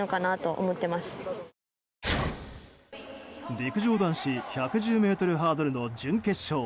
陸上男子１１０ｍハードルの準決勝。